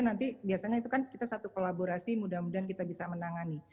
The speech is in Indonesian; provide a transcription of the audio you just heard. nanti biasanya itu kan kita satu kolaborasi mudah mudahan kita bisa menangani